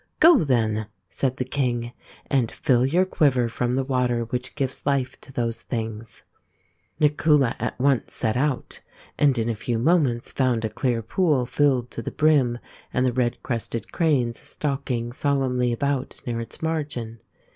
" Go, then," said the king, " and fill your quiver from the water which gives life to those things." Nakula at once set out, and in a few moments found a clear pool filled to the brim and the red crested cranes stalking solemnly about near its margin.